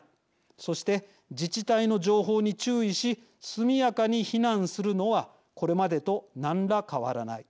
そして自治体の情報に注意し速やかに避難するのはこれまでと何ら変わらない。